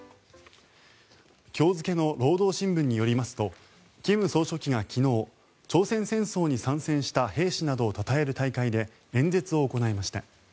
今日付の労働新聞によりますと金総書記が昨日朝鮮戦争に参戦した兵士などをたたえる大会で演説を行いました。